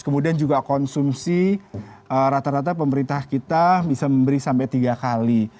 kemudian juga konsumsi rata rata pemerintah kita bisa memberi sampai tiga kali